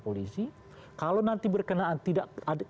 polisi kalau nanti berkenaan tidak